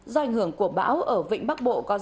do ảnh hưởng của bão ở vịnh bắc bộ có